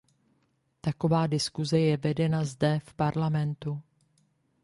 Taková diskuse je vedena zde, v Parlamentu.